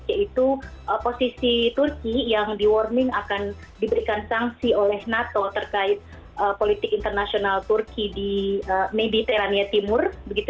yaitu posisi turki yang di warning akan diberikan sanksi oleh nato terkait politik internasional turki di mediterania timur